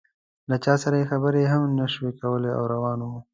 له چا سره یې خبرې هم نه کولې او روان و.